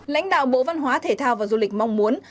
lãnh đạo bộ văn hóa thể thao và du lịch mong muốn